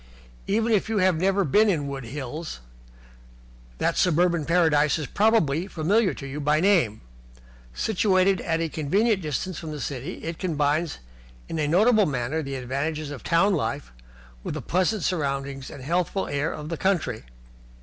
Even if you have never been in Wood Hills, that suburban paradise is probably familiar to you by name. Situated at a convenient distance from the city, it combines in a notable manner the advantages of town life with the pleasant surroundings and healthful air of the country.